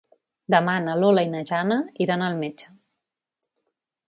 Demà na Lola i na Jana iran al metge.